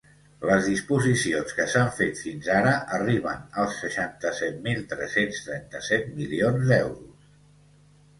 Les disposicions que s’han fet fins ara arriben als seixanta-set mil tres-cents trenta-set milions d’euros.